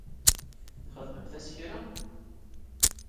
Txedmemt-as kra?